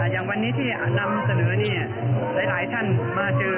อย่างวันนี้ที่นำเสนอหลายท่านมาเจอ